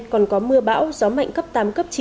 còn có mưa bão gió mạnh cấp tám cấp chín